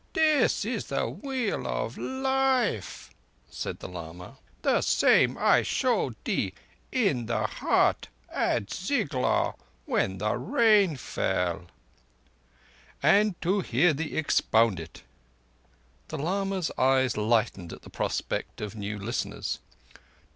This is the Wheel of Life," said the lama, "the same I showed thee in the hut at Ziglaur when the rain fell." "And to hear thee expound it." The lama's eyes lighted at the prospect of new listeners.